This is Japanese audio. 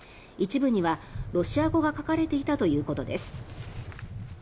一部にはロシア語が書かれていたということです。